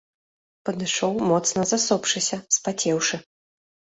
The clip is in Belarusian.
Падышоў, моцна засопшыся, спацеўшы.